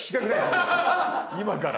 僕今から。